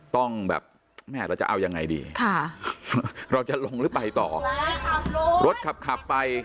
ต้องแบบแม่เราจะเอายังไงดีค่ะเราจะลงหรือไปต่อรถขับขับไป